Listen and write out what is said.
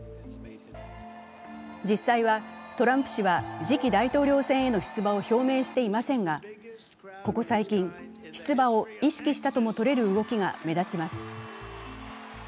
実際はトランプ氏は次期大統領選への出馬を表明していませんがここ最近、出馬を意識したともとれる動きが目立ちます。